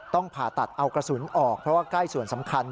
ผ่าตัดเอากระสุนออกเพราะว่าใกล้ส่วนสำคัญ